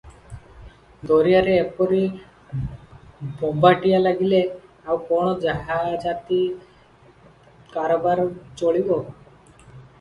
ଦରିଆରେ ଏପରି ବୋମ୍ବାଟିଆ ଲାଗିଲେ ଆଉ କଣ ଜାହାଜାତି କାରବାର ଚଳିବ?